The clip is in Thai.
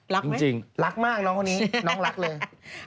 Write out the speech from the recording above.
รักไหมจริงรักมากน้องนี้น้องรักเลย